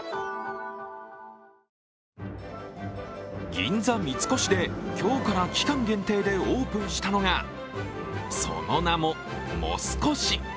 銀座三越で今日から期間限定でオープンしたのがその名も、モス越。